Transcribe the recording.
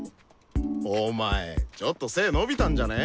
お前ちょっと背伸びたんじゃね？